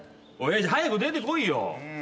おい英二早く出てこいよ。